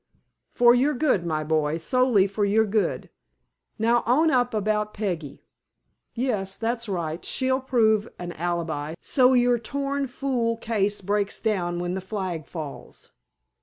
"For your good, my boy, solely for your good. Now, own up about Peggy." "Yes. That's right. She'd prove an alibi, so your tom fool case breaks down when the flag falls."